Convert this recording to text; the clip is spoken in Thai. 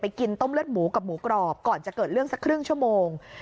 กินต้มเลือดหมูกับหมูกรอบก่อนจะเกิดเรื่องสักครึ่งชั่วโมง